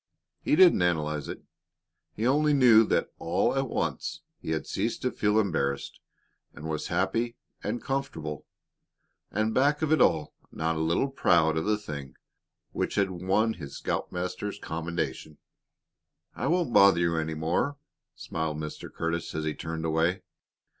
He didn't analyze it. He only knew that all at once he had ceased to feel embarrassed and was happy and comfortable, and back of it all not a little proud of the thing which had won his scoutmaster's commendation. "I won't bother you any more," smiled Mr. Curtis, as he turned away.